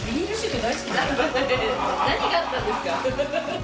何があったんですか。